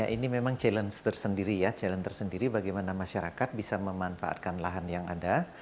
ini memang challenge tersendiri ya challenge tersendiri bagaimana masyarakat bisa memanfaatkan lahan yang ada